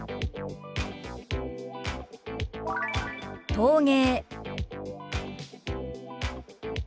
「陶芸」。